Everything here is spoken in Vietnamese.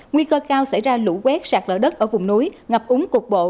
nguy cơ cao xảy ra lũ quét sạt lở đất ở vùng núi ngập úng cục bộ